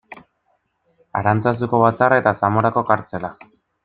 Arantzazuko batzarra eta Zamorako kartzela.